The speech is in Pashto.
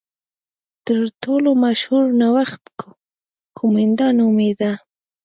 تر ټولو مشهور نوښت کومېنډا نومېده.